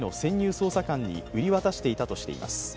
捜査官に売り渡していたとしています。